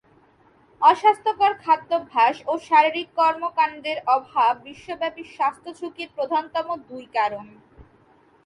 অস্বাস্থ্যকর খাদ্যাভ্যাস ও শারীরিক কর্মকাণ্ডের অভাব বিশ্বব্যাপী স্বাস্থ্য ঝুঁকির প্রধানতম দুই কারণ।